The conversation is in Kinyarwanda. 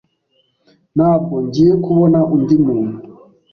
Ntabwo ngiye kubona undi muntu.